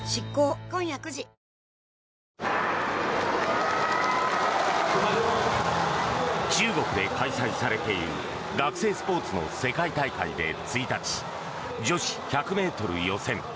わかるぞ中国で開催されている学生スポーツの世界大会で１日女子１００ｍ予選